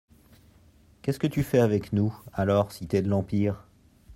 Qu'est-ce que tu fais avec nous, alors si t'es de l'Empire ?